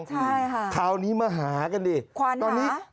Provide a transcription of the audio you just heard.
ใช่ค่ะคราวนี้มาหากันดิตอนนี้